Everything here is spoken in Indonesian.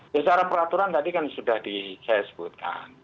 ya secara peraturan tadi kan sudah saya sebutkan